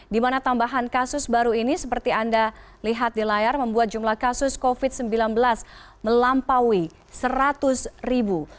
di mana tambahan kasus baru ini seperti anda lihat di layar membuat jumlah kasus covid sembilan belas melampaui seratus ribu